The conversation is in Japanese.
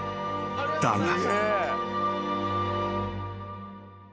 ［だが］